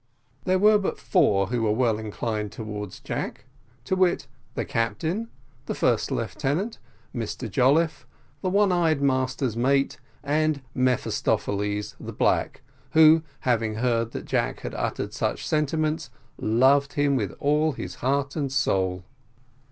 There were but four who were well inclined towards Jack to wit, the captain, the first lieutenant, Mr Jolliffe, the one eyed master's mate, and Mephistopheles, the black, who, having heard that Jack had uttered such sentiments, loved him with all his heart and soul.